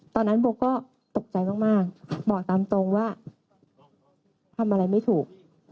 ตอนนั้นโบก็ตกใจมากบอกตามตรงว่าทำอะไรไม่ถูก